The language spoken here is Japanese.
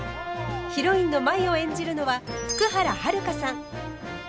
ヒロインの舞を演じるのは福原遥さん。